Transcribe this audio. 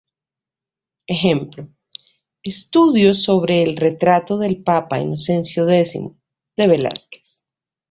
Ejemplo: "Estudios sobre el retrato del papa Inocencio X, de Velázquez".